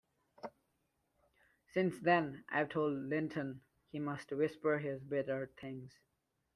Since then, I’ve told Linton he must whisper his bitter things.